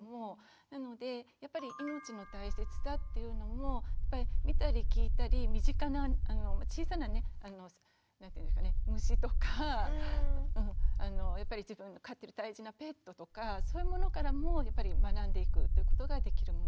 なのでやっぱり命の大切さっていうのも見たり聞いたり身近な小さなね虫とかやっぱり自分の飼ってる大事なペットとかそういうものからもやっぱり学んでいくということができるものだと思いますね。